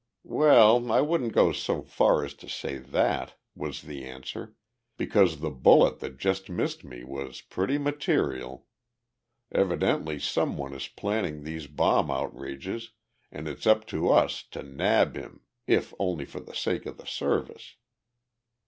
"Well, I wouldn't go so far as to say that," was the answer, "because the bullet that just missed me was pretty material. Evidently some one is planning these bomb outrages and it's up to us to nab him if only for the sake of the Service."